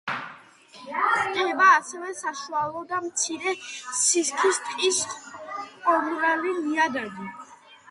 გვხვდება ასევე საშუალო და მცირე სისქის ტყის ყომრალი ნიადაგი.